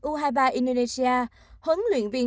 u hai mươi ba indonesia huấn luyện viên